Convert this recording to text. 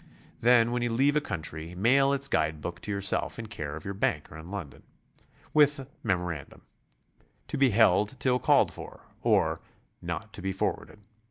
Then when you leave a country, mail its guide book to yourself in care of your banker at London, with memorandum, "To be held till called for," or, "Not to be forwarded."